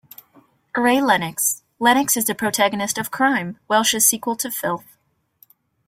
Ray Lennox - Lennox is the protagonist of "Crime", Welsh's sequel to Filth.